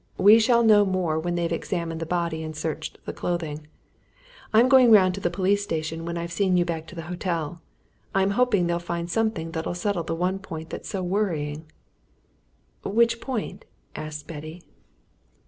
We shall know more when they've examined the body and searched the clothing. I'm going round to the police station when I've seen you back to the hotel I'm hoping they'll find something that'll settle the one point that's so worrying." "Which point?" asked Betty.